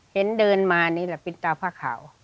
เห็นเดินมานี่แหละเป็นตาผ้าขาว